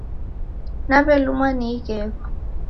Nawelumwa ni ighegho